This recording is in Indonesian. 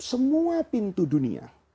semua pintu dunia